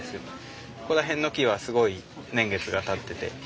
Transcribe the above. ここら辺の木はすごい年月がたってて。